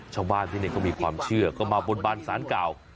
ชาวบ้านที่นี่เขามีความเชื่อก็มาบนบานสารเก่า